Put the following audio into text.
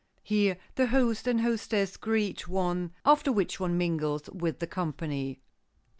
Here the host and hostess greet one, after which one mingles with the company.